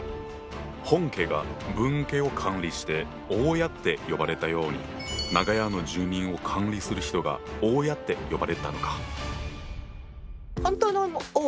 本家が分家を管理して「大家」って呼ばれたように長屋の住人を管理する人が「大家」って呼ばれたのか。